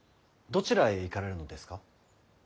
とちらへ行かれるのですか？